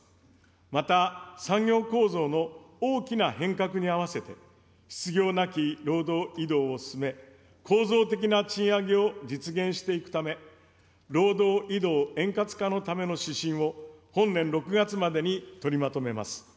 また、産業構造の大きな変革に合わせて、失業なき労働移動を進め、構造的な賃上げを実現していくため、労働移動円滑化のための指針を本年６月までに取りまとめます。